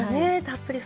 たっぷり。